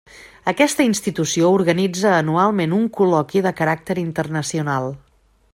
Aquesta institució organitza anualment un col·loqui de caràcter internacional.